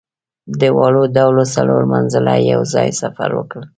دواړو ډلو څلور منزله یو ځای سفر وکړ.